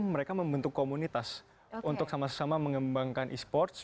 mereka membentuk komunitas untuk sama sama mengembangkan esports